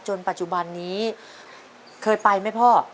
ปัจจุบันนี้เคยไปไหมพ่อ